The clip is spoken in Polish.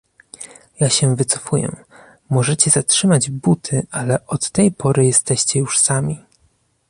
Ja się wycofuję - możecie zatrzymać buty, ale od tej pory jesteście już sami"